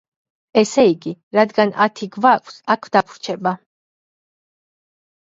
ესე იგი, რადგან ათი გვაქვს, აქ დაგვრჩება.